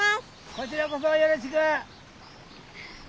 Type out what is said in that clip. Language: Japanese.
こちらこそよろしく！